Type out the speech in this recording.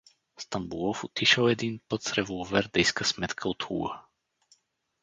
Стамболов отишел един път с револвер да иска сметка от Л.